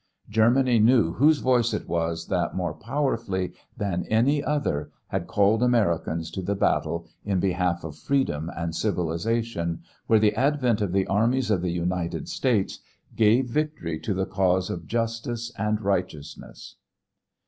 Germany knew whose voice it was that more powerfully than any other had called Americans to the battle in behalf of freedom and civilization, where the advent of the armies of the United States gave victory to the cause of justice and righteousness.